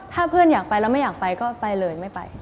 ถ้าเพื่อนอยากไปแล้วไม่อยากไปก็ไปเลยไม่ไป